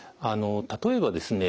例えばですね